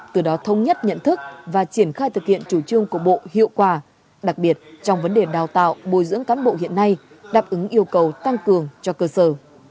từ đó thông nhất nhận thức và triển khai thực hiện chủ trương của bộ hiệu quả đặc biệt trong vấn đề đào tạo bồi dưỡng cán bộ hiện nay đáp ứng yêu cầu tăng cường cho cơ sở